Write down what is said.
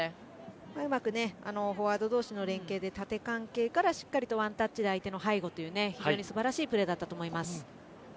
うまくフォワード同士の連携で縦関係からしっかりとワンタッチで相手の背後という非常に素晴らしいプレーだったと思います。